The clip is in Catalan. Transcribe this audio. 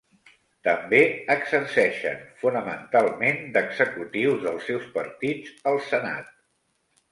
També exerceixen fonamentalment d"executius dels seus partits al senat.